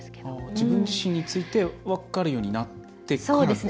自分自身について分かるようになってからですか？